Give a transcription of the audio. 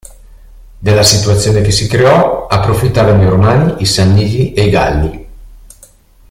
Della situazione che si creò approfittarono i Romani, i Sanniti e i Galli.